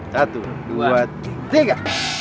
satu dua tiga